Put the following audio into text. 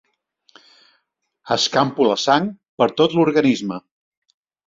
Escampo la sang per tot l'organisme.